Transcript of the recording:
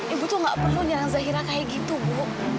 ibu itu gak perlu nyarang zahira kayak gitu bu